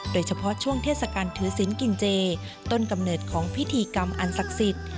โดยเฉพาะช่วงเทศกาลถือศิลป์กินเจต้นกำเนิดของพิธีกรรมอันศักดิ์สิทธิ์